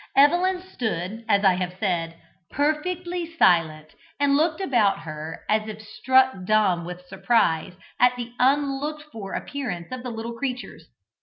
Evelyn stood, as I have said, perfectly silent, and looked about her as if struck dumb with surprise at the unlooked for appearance of the little creatures.